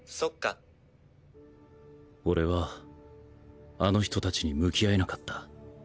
俺はあの人達に向き合えなかった。